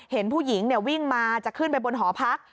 เห็นผู้หญิงวิ่งมาจะขึ้นไปบนหอพัก